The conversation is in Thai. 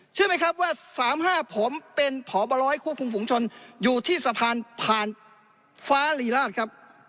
เชื่อไหมครับว่า๓๕ผมเป็นพบร้อยควบคุมฝุงชนอยู่ที่สะพานผ่านฟ้ารีราชครับ